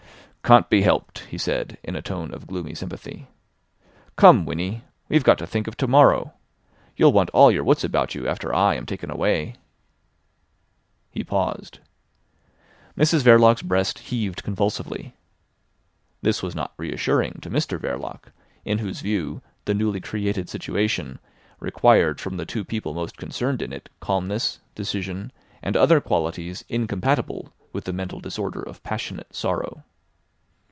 "Can't be helped," he said in a tone of gloomy sympathy. "Come, Winnie, we've got to think of to morrow. You'll want all your wits about you after I am taken away." He paused. Mrs Verloc's breast heaved convulsively. This was not reassuring to Mr Verloc, in whose view the newly created situation required from the two people most concerned in it calmness, decision, and other qualities incompatible with the mental disorder of passionate sorrow.